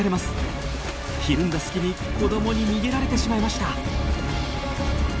ひるんだ隙に子どもに逃げられてしまいました。